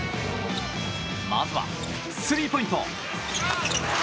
まずは、スリーポイント。